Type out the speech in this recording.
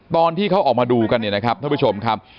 ตอนที่เขาออกมาดูกันเนี่ยนะครับท่านผู้ชมครับ